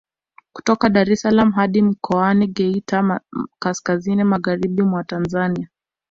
Kutoka Daressalaam hadi mkoani Geita kaskazini magharibi mwa Tanzania